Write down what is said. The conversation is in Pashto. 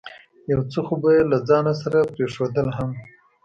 یو څه خو به یې له ځانه سره پرېښودل هم.